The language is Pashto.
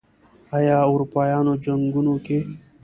یا اروپايانو جنګونو کې